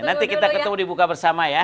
nanti kita ketemu di buka bersama ya